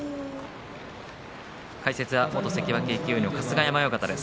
解説は元関脇勢の春日山親方です。